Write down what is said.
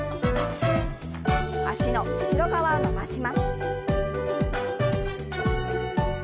脚の後ろ側を伸ばします。